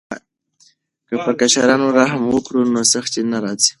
که پر کشرانو رحم وکړو نو سختي نه راځي.